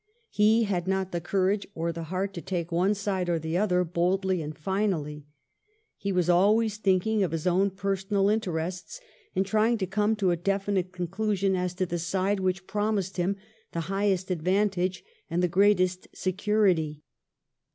He had not the courage or the heart to take one side or the other boldly and finally. He was always thinking of his own personal interests, and trying to come to a definite conclusion as to the side which promised him the highest advantages and the greatest security.